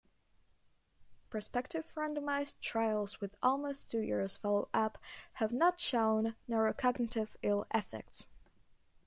Prospective randomized trials with almost two years follow-up have not shown neurocognitive ill-effects.